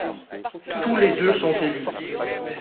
Tous les deux sont élus.